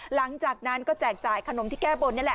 หลังจากนั้นก็แจกจ่ายขนมที่แก้บนนี่แหละ